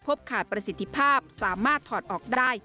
ขาดประสิทธิภาพสามารถถอดออกได้